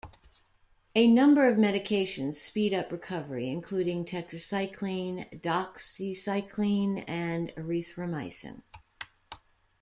A number of medications speed up recovery including: tetracycline, doxycycline, and erythromycin.